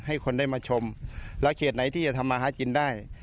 ให้คนได้มาชมและเฉดไหนที่จะธรรมาฮาจินได้